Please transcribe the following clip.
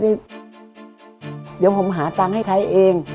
เดี๋ยวผมหาตังค์ให้ใช้เอง